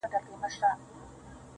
د نظرونو په بدل کي مي فکرونه راوړل.